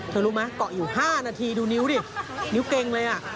รู้ไหมเกาะอยู่๕นาทีดูนิ้วดินิ้วเกงเลยอ่ะ